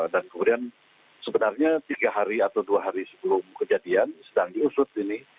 dan kemudian sebenarnya tiga hari atau dua hari sebelum kejadian sedang diusut ini